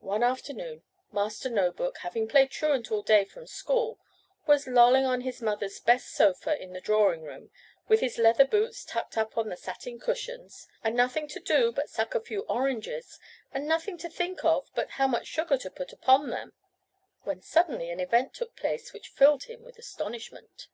One afternoon Master No book, having played truant all day from school, was lolling on his mother's best sofa in the drawing room, with his leather boots tucked up on the satin cushions, and nothing to do but to suck a few oranges, and nothing to think of but how much sugar to put upon them, when suddenly an event took place which filled him with astonishment.